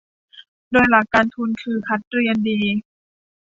โดยหลักการทุนคือคัดเรียนดี